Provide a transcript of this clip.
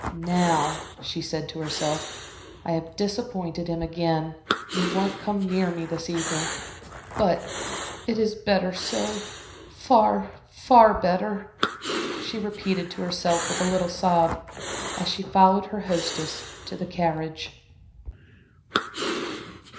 "Now," she said to herself, "I have disappointed him again and he won't come near me this evening. But it is better so far, far better," she repeated to herself, with a little sob, as she followed her hostess to the carriage.